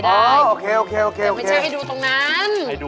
อักโหอักโหโอเคดูตรงนั้น